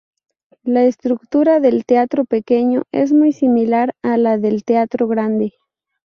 La estructura del Teatro pequeño es muy similar a la del Teatro grande.